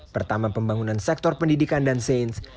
pertama pembangunan sektor pendidikan dan sains